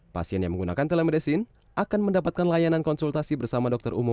pasien yang menggunakan telemedicine akan mendapatkan layanan konsultasi bersama dokter umum